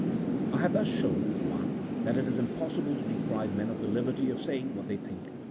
I have thus shown :— I. That it is impossible to deprive men of the liberty of saying what they think.